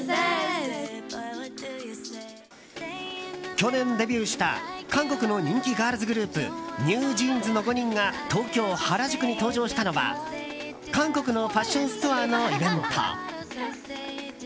去年デビューした韓国の人気ガールズグループＮｅｗＪｅａｎｓの５人が東京・原宿に登場したのは韓国のファッションストアのイベント。